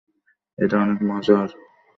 এটা অনেক মজার।